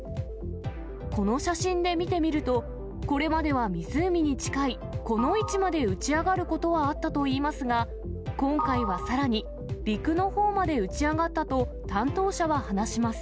この写真で見てみると、これまでは湖に近い、この位置まで打ち上がることはあったといいますが、今回はさらに陸のほうまで打ち上がったと担当者は話します。